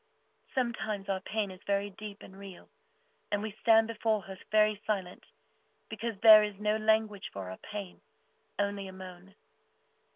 Sometimes, our pain is very deep and real, and we stand before her very silent, because there is no language for our pain, only a moan.